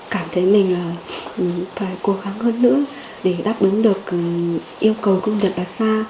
cảm thấy mình phải cố gắng hơn nữa để đáp ứng được yêu cầu công việc bắt xa